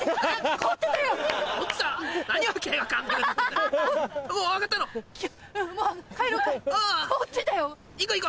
凍ってたよ！